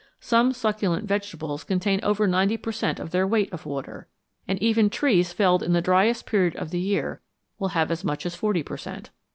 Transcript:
Some succulent vegetables contain over 90 per cent, of their weight of water, and even trees felled in the driest period of the year will have as much as 40 per cent.